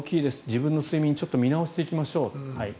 自分の睡眠を見直していきましょう。